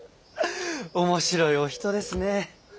面白いお人ですね。